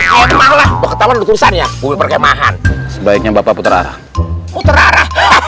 berkemah lah ketahuan berkhusan ya berkemahan sebaiknya bapak putra putra